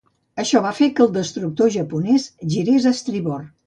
Això va fer que el destructor japonès girés a estribord.